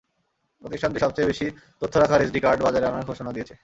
প্রতিষ্ঠানটি সম্প্রতি সবচেয়ে বেশি তথ্য রাখার এসডি কার্ড বাজারে আনার ঘোষণা দিয়েছে।